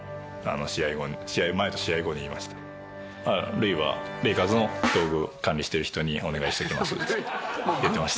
塁はレイカーズの道具を管理してる人にお願いしておきますっつって言ってました。